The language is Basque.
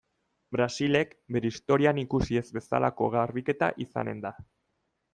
Brasilek bere historian ikusi ez bezalako garbiketa izanen da.